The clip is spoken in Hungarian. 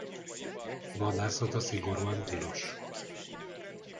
Vadászata szigorúan tilos.